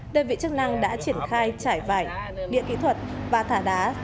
đơn vị chức năng đã triển khai chải vải điện kỹ thuật và thả đá